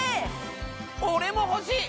俺も欲しい！